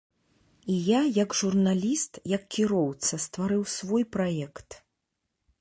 І я як журналіст, як кіроўца стварыў свой праект.